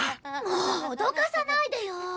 もう脅かさないでよ。